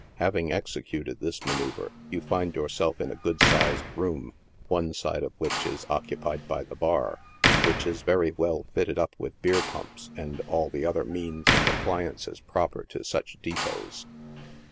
Having executed this manoeuvre, you find yourself in a good sized room, one side of which is occupied by the bar, which is very well fitted up with beer pumps and all the other means and appliances 82 NIGHT SIDE OF NEW YORK. proper to such depots.